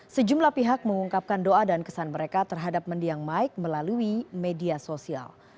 sejumlah pihak mengungkapkan doa dan kesan mereka terhadap mendiang mike melalui media sosial